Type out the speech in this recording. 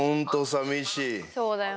さみしい。